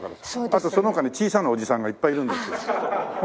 あとその他に小さなおじさんがいっぱいいるんですよ。